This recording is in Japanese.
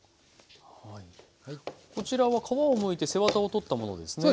こちらは皮をむいて背ワタを取ったものですね。